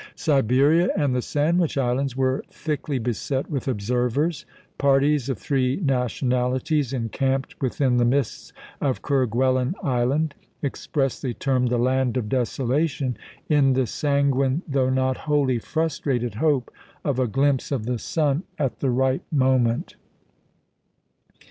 Siberia and the Sandwich Islands were thickly beset with observers; parties of three nationalities encamped within the mists of Kerguelen Island, expressively termed the "Land of Desolation," in the sanguine, though not wholly frustrated hope of a glimpse of the sun at the right moment.